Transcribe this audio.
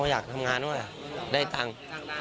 อยากทำงานด้วยได้ตังค์